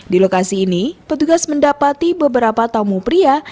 di lokasi ini petugas mendapati beberapa tamu pria